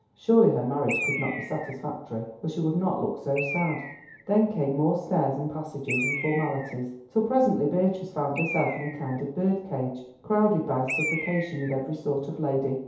Surely her marriage could not be satisfactory, or she would not look so sad. Then came more stairs and passages, and formalities, till presently Beatrice found herself in a kind of bird cage, crowded to suffocation with every sort of lady.